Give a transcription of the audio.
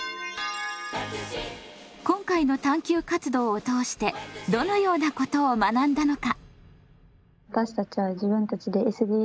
今回の探究活動を通してどのようなことを学んだのか？